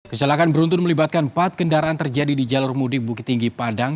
kecelakaan beruntun melibatkan empat kendaraan terjadi di jalur mudik bukit tinggi padang